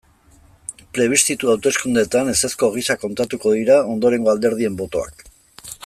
Plebiszitu hauteskundeetan ezezko gisa kontatuko dira ondorengo alderdien botoak.